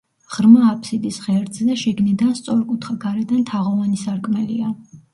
ღრმა აფსიდის ღერძზე შიგნიდან სწორკუთხა, გარედან თაღოვანი სარკმელია.